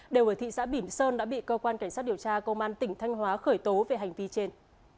đều ở thị xã bỉm sơn đã bị cơ quan cảnh sát điều tra công an tỉnh thanh hóa khởi tố về hành vi trên